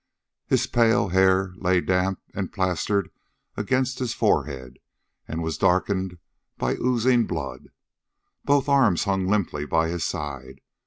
His pale hair lay damp and plastered against his forehead, and was darkened by oozing blood. Both arms hung limply by his side.